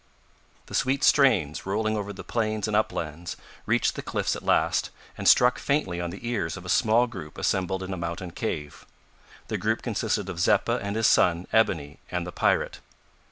The sweet strains, rolling over the plains and uplands, reached the cliffs at last, and struck faintly on the ears of a small group assembled in a mountain cave. The group consisted of Zeppa and his son, Ebony and the pirate.